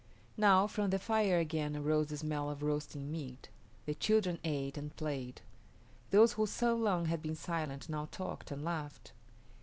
Now from the fire again arose the smell of roasting meat. The children ate and played. Those who so long had been silent now talked and laughed.